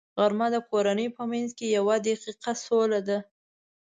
غرمه د کورنۍ په منځ کې یوه دقیقه سوله ده